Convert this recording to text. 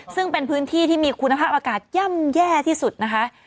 ซึ่งเป็นพื้นที่ที่มีคุณภาพอากาศย่ำแย่ที่สุดนะคะ